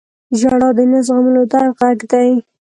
• ژړا د نه زغملو درد غږ دی.